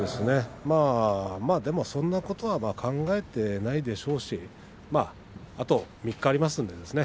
でもそんなことは考えていないでしょうしあと３日ありますのでね